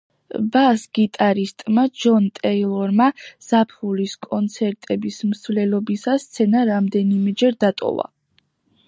ბას გიტარისტმა ჯონ ტეილორმა ზაფხულის კონცერტების მსვლელობისას სცენა რამდენიმეჯერ დატოვა.